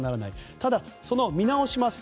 ただ、その見直します！